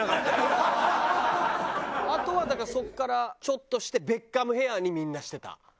あとはだからそこからちょっとしてベッカムヘアーにみんなしてた。